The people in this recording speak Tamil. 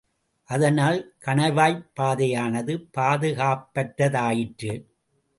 அதனால் கணவாய்ப் பாதையானது பாதுகாப்பற்றதாயிற்று.